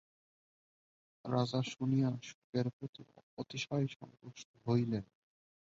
রাজা শুনিয়া শুকের প্রতি অতিশয় সন্তুষ্ট হইলেন।